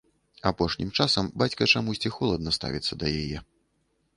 Апошнім часам бацька чамусьці холадна ставіцца да яе.